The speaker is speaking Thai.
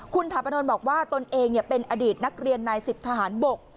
คุณถาปนบอกว่าตนเองเนี่ยเป็นอดีตนักเรียนในสิบทหารบก